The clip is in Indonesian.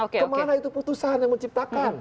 kemana itu putusan yang menciptakan